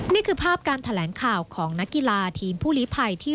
นี่คือภาพการแถลงข่าวของนักกีฬาทีมผู้ลิภัยที่